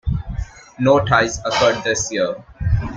No ties occurred this year.